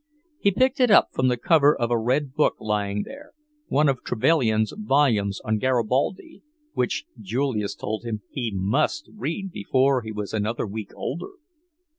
He picked it up from the cover of a red book lying there, one of Trevelyan's volumes on Garibaldi, which Julius told him he must read before he was another week older.